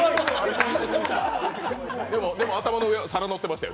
でも、頭の上には皿のってましたよ。